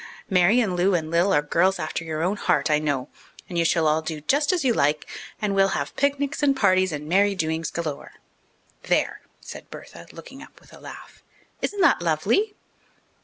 Mary and Lou and Lil are girls after your own heart, I know, and you shall all do just as you like, and we'll have picnics and parties and merry doings galore._ "There," said Bertha, looking up with a laugh. "Isn't that lovely?"